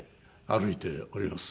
歩いております。